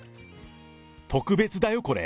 特別だよ、これ。